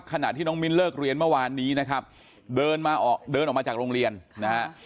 ขณะที่น้องมิ้นเลิกเรียนเมื่อวานนี้นะครับเดินมาออกเดินออกมาจากโรงเรียนนะฮะ